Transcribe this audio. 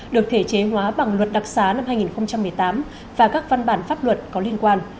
được thể chế hóa bằng luật đặc xá năm hai nghìn một mươi tám và các văn bản pháp luật có liên quan